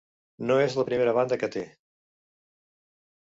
No és la primera banda que té.